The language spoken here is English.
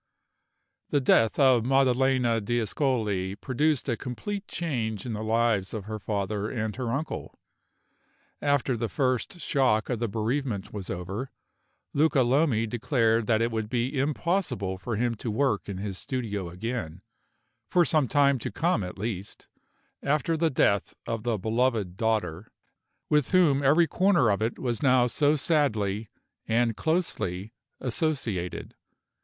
The death of Maddalena d'Ascoli produced a complete change in the lives of her father and her uncle. After the first shock of the bereavement was over, Luca Lomi declared that it would be impossible for him to work in his studio again for some time to come at least after the death of the beloved daughter, with whom every corner of it was now so sadly and closely associated.